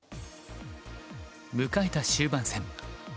迎えた終盤戦。